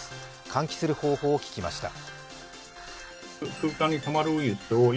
換気する方法を聞きました。